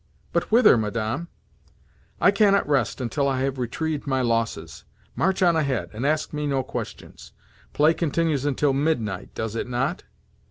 "But whither, Madame?" "I cannot rest until I have retrieved my losses. March on ahead, and ask me no questions. Play continues until midnight, does it not?"